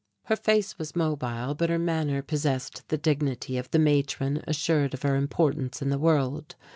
Her face was mobile but her manner possessed the dignity of the matron assured of her importance in the world.